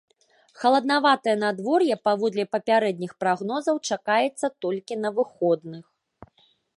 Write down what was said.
Халаднаватае надвор'е, паводле папярэдніх прагнозаў, чакаецца толькі на выходных.